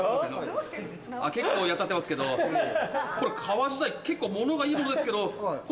結構やっちゃってますけどこれ皮自体結構モノがいいものですけど。